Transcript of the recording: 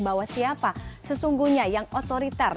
bahwa siapa sesungguhnya yang otoriter